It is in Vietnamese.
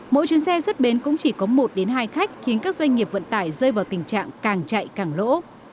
mỗi chuyến xe xuất bến cũng chỉ có một hai khách khiến các doanh nghiệp vận tải rơi vào tình trạng càng chạy càng lỗ